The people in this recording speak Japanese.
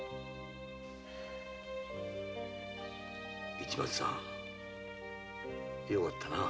市松さんよかったなあ。